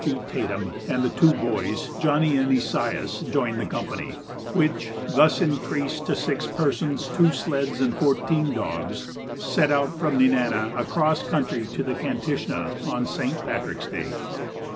G. Tatum and the two boys, Johnny and Esaias, joined the company, which, thus increased to six persons, two sleds, and fourteen dogs, set out from Nenana across country to the Kantishna on St. Patrick's day.